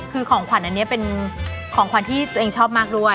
คือของขวัญอันนี้เป็นของขวัญที่ตัวเองชอบมากด้วย